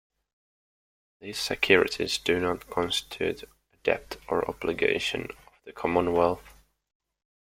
These securities do not constitute a debt or obligation of the Commonwealth.